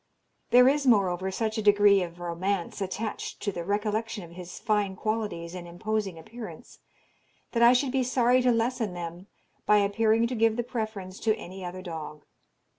There is, moreover, such a degree of romance attached to the recollection of his fine qualities and imposing appearance, that I should be sorry to lessen them by appearing to give the preference to any other dog.